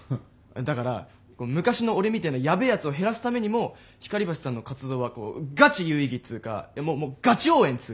だから昔の俺みたいなやべえやつを減らすためにも光橋さんの活動はガチ有意義っつうかもうもうガチ応援っつうか。